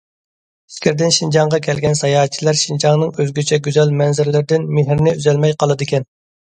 ئىچكىرىدىن شىنجاڭغا كەلگەن ساياھەتچىلەر شىنجاڭنىڭ ئۆزگىچە گۈزەل مەنزىرىلىرىدىن مېھرىنى ئۈزەلمەي قالىدىكەن.